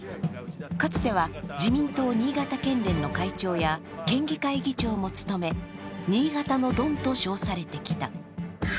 かつては自民党新潟県連の会長や県議会議長も務め、新潟のドンと称されてきた。